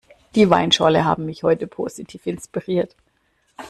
Die Weinschorle haben mich heute positiv inspiriert.